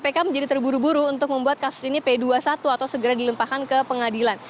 kpk menjadi terburu buru untuk membuat kasus ini p dua puluh satu atau segera dilempahkan ke pengadilan